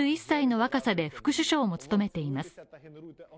３１歳の若さで副首相も務めています。